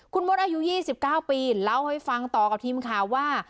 คุณมดอายุ๒๙ปีเล่าให้ฟังต่อกับทีมข่าวว่า